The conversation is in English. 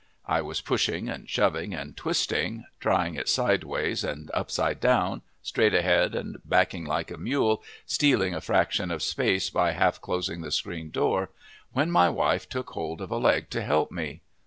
I was pushing and shoving and twisting, trying it sideways and upside down, straight ahead and backing like a mule, stealing a fraction of space by half closing the screen door, when my wife took hold of a leg to help me.